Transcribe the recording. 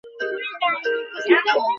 হাল ছেড়ে দিত?